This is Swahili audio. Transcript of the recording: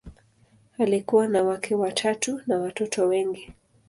Alikuwa na wake watatu na watoto wengi.